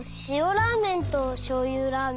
ラーメンとしょうゆラーメン